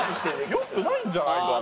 良くないんじゃないかな？